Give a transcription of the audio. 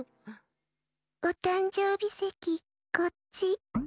おたんじょうびせきこっち。